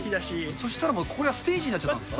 そしたらここがステージになっちゃったんですか？